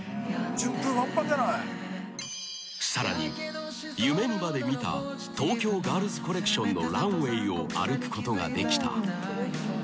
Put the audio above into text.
［さらに夢にまで見た東京ガールズコレクションのランウェイを歩くことができた］